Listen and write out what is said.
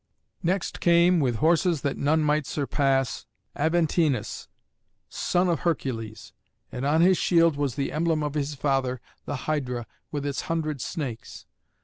Next came, with horses that none might surpass, Aventinus, son of Hercules; and on his shield was the emblem of his father, the Hydra, with its hundred snakes.